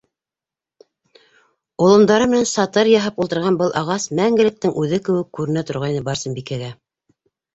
Олондары менән сатыр яһап ултырған был ағас мәңгелектең үҙе кеүек күренә торғайны Барсынбикәгә.